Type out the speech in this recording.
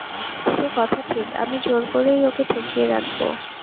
সে কথা ঠিক, আমি জোর করেই ওকে ঠেকিয়ে রাখব।